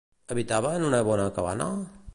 Habitava en una bona cabana?